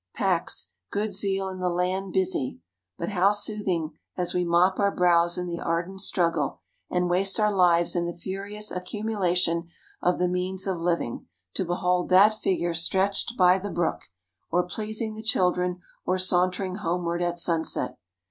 Pax, good Zeal in the land Busy! But how soothing, as we mop our brows in the ardent struggle, and waste our lives in the furious accumulation of the means of living, to behold that figure stretched by the brook, or pleasing the children, or sauntering homeward at sunset!